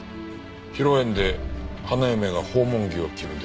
披露宴で花嫁が訪問着を着るんですか？